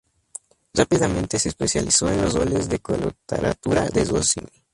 Rápidamente se especializó en los roles de coloratura de Rossini.